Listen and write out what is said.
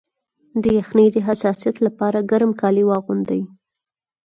د یخنۍ د حساسیت لپاره ګرم کالي واغوندئ